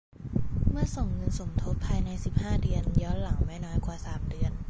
เมื่อส่งเงินสมทบภายใน สิบห้า เดือน ย้อนหลัง ไม่น้อยกว่า สาม เดือน